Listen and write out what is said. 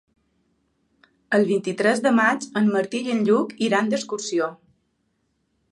El vint-i-tres de maig en Martí i en Lluc iran d'excursió.